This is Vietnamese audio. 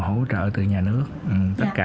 hỗ trợ từ nhà nước tất cả